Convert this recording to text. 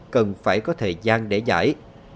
cần phải có thời gian để giải